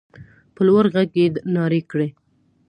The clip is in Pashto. په لوړ غږ يې نارې کړې.